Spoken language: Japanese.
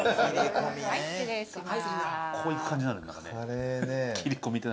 失礼します。